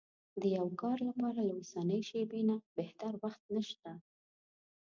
د يوه کار لپاره له اوسنۍ شېبې نه بهتر وخت نشته.